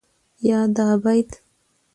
يا دا بيت